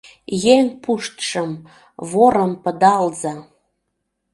Еҥ пуштшым, ворым пыдалза.